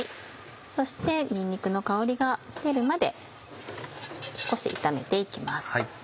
そしてにんにくの香りが出るまで少し炒めて行きます。